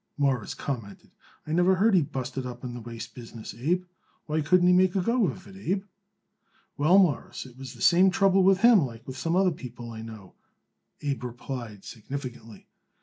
Morris commented. "I never heard he busted up in the waist business, Abe. Why couldn't he make a go of it, Abe?" "Well, Mawruss, it was the same trouble with him like with some other people, I know," Abe replied significantly.